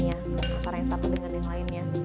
antara yang satu dengan yang lainnya